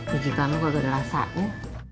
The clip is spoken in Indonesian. cita cita lu kagak ada rasanya